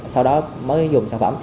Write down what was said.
sau đó mới dùng sản phẩm